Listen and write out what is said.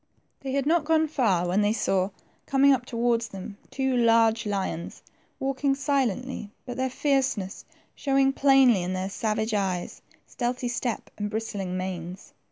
They had not gone far when they saw, coming up towards them, two large lions, walking silently, but their fierceness showing plainly in their savage eyes, stealthy step, and bristling manes.